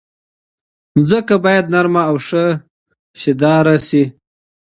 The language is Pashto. ځمکه باید نرمه او ښه شدیاره شي.